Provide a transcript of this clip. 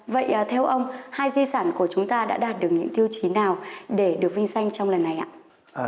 vậy theo ông hai di sản của chúng ta đã đạt được những tiêu chí nào để được vinh danh trong lần này ạ